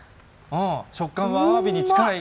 食感はアワビに近い？